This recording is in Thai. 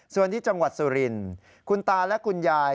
ส่วนที่จังหวัดสุรินทร์คุณตาและคุณยาย